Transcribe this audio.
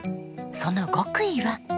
その極意は。